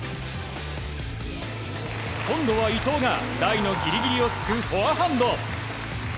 今度は伊藤がラインのギリギリをつくフォアハンド。